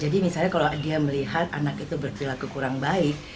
dia melihat anak itu berperilaku kurang baik